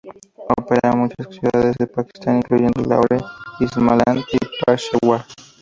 Opera a muchas ciudades de Pakistán incluyendo Lahore, Islamabad y Peshawar.